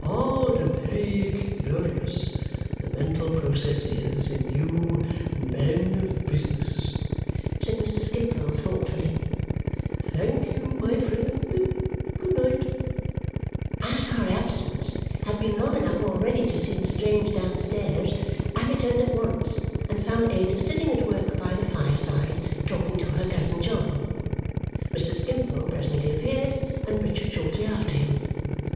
"Very odd and very curious, the mental process is, in you men of business!" said Mr. Skimpole thoughtfully. "Thank you, my friend. Good night." As our absence had been long enough already to seem strange downstairs, I returned at once and found Ada sitting at work by the fireside talking to her cousin John. Mr. Skimpole presently appeared, and Richard shortly after him.